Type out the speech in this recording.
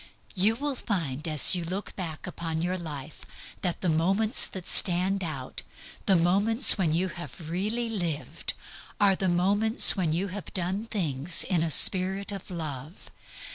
You will find as you look back upon your life that the moments that stand out, the moments when you have really lived, are the moments when you have done things in a spirit of love.